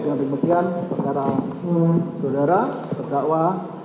dengan demikian perkara saudara terdakwa